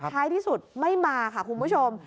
ท้ายที่สุดไม่มาค่ะคุณผู้ชม